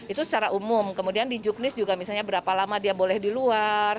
itu secara umum kemudian di juknis juga misalnya berapa lama dia boleh di luar